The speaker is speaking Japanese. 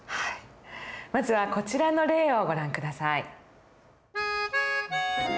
まずはこちらの例をご覧下さい。